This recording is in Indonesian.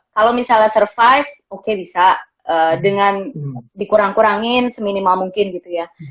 kalau misalnya survive oke bisa dengan dikurang kurangin seminimal mungkin gitu ya